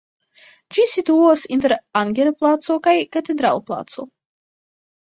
Ĝi situas inter Anger-placo kaj Katedral-placo.